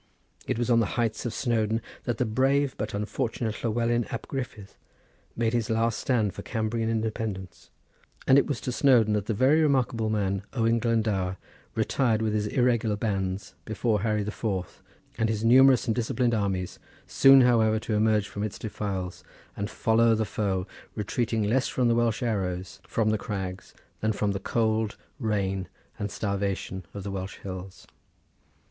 It was on the heights of Snowdon that the brave but unfortunate Llywelin ap Griffith made his last stand for Cambrian independence; and it was to Snowdon that that very remarkable man, Owen Glendower, retired with his irregular bands before Harry the Fourth and his numerous and disciplined armies, soon, however, to emerge from its defiles and follow the foe, retreating less from the Welsh arrows from the crags, than from the cold, rain, and starvation of the Welsh hills.